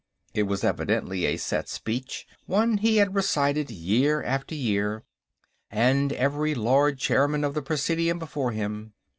It was evidently a set speech, one he had recited year after year, and every Lord Chairman of the Presidium before him.